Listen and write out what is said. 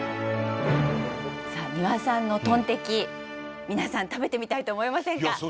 さあ丹羽さんのトンテキ皆さん食べてみたいと思いませんか？